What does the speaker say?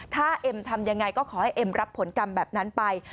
ถ้าเอ็มทำยังไงก็ขอให้เอ็มรับผลกรรมแบบนั้นไป